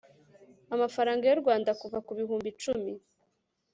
amafaranga yu rwanda kuva ku bihumbi icumi